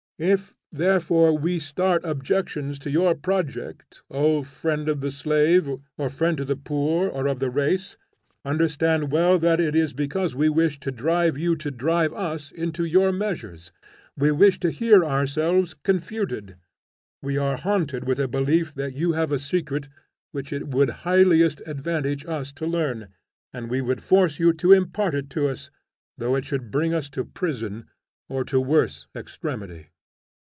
If therefore we start objections to your project, O friend of the slave, or friend of the poor, or of the race, understand well that it is because we wish to drive you to drive us into your measures. We wish to hear ourselves confuted. We are haunted with a belief that you have a secret which it would highliest advantage us to learn, and we would force you to impart it to us, though it should bring us to prison, or to worse extremity.